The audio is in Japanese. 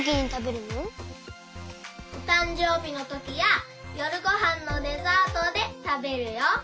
おたんじょうびのときやよるごはんのデザートでたべるよ。